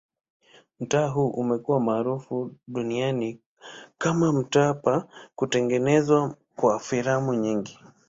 Mtaa huu umekuwa maarufu duniani kama mahali pa kutengenezwa kwa filamu nyingi.